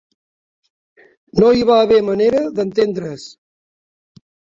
No hi va haver manera d'entendre's